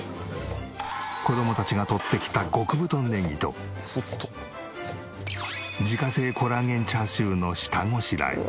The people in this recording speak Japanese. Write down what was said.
子供たちがとってきた極太ネギと自家製コラーゲンチャーシューの下ごしらえ。